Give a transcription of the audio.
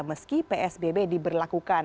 meski psbb diberlakukan